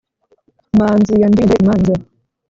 Manzi yandinze imanza,